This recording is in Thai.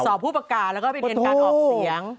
ผู้ประกาศแล้วก็ไปเรียนการออกเสียง